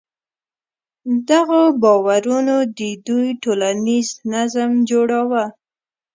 دغو باورونو د دوی ټولنیز نظم جوړاوه.